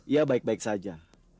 ia baik baik saja